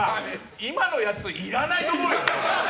今のやつ、いらないと思うよ。